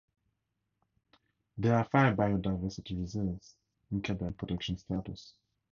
There are five biodiversity reserves in Quebec with permanent protection status.